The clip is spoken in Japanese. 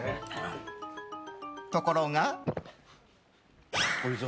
ところが。